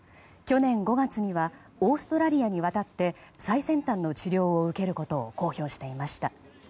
去年５月にはオーストラリアに渡って最先端の治療を受けることを公表していました。